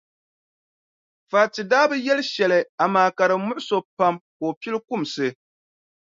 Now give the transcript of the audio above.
Fati daa bi yɛli shɛli amaa ka di muɣisi o pam ka o pili kumsi.